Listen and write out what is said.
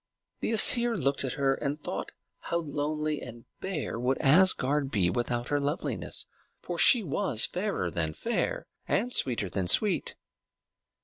The Æsir looked at her and thought how lonely and bare would Asgard be without her loveliness; for she was fairer than fair, and sweeter than sweet.